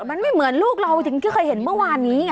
มันไม่เหมือนลูกเราถึงที่เคยเห็นเมื่อวานนี้ไง